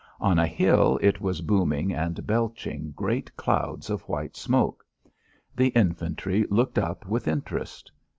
On a hill it was booming and belching great clouds of white smoke. The infantry looked up with interest.